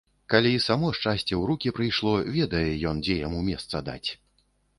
Калі само шчасце ў рукі прыйшло, ведае ён, дзе яму месца даць.